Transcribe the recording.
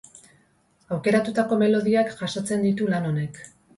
Aukeratutako melodiak jasotzen ditu lan honek.